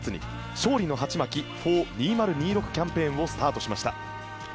勝利のハチマキｆｏｒ２０２６キャンペーン」をスタートしました。